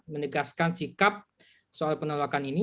menegaskan sikap soal penolakan ini